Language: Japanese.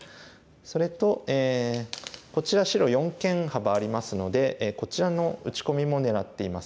それとこちら白四間幅ありますのでこちらの打ち込みも狙っていますね。